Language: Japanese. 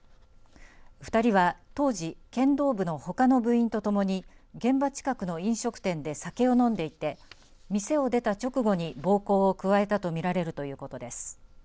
２人は当時剣道部のほかの部員と共に現場近くの飲食店で酒を飲んでいて店を出た直後に暴行を加えたと見られるということです。